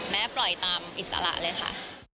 ปล่อยตามอิสระเลยค่ะ